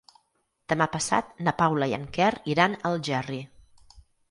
Demà passat na Paula i en Quer iran a Algerri.